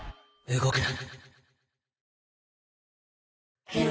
「動くな」。